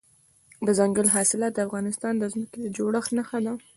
دځنګل حاصلات د افغانستان د ځمکې د جوړښت نښه ده.